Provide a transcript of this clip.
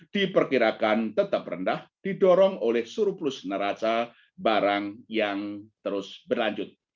diperkirakan tetap rendah didorong oleh surplus neraca barang yang terus berlanjut